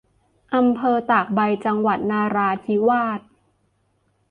อำเภอตากใบ จังหวัดนราธิวาส